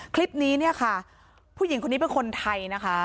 คลิปนี้เนี่ยค่ะผู้หญิงคนนี้เป็นคนไทยนะคะ